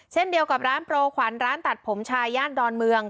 เช่นเดียวกับร้านโปรขวัญร้านตัดผมชายย่านดอนเมือง